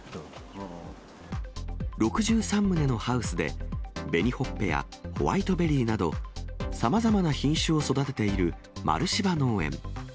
６３棟のハウスで、紅ほっぺやホワイトベリーなど、さまざまな品種を育てているまるしば農園。